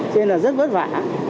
cho nên là rất vất vả